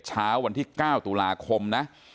เช้าวันที่๙ตุลาคมนะ